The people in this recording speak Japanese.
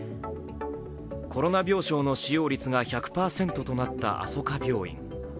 コロナ病床の使用率が１００％となった、あそか病院。